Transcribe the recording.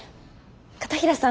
片平さん